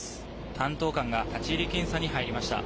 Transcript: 担当官が立ち入り検査に入りました。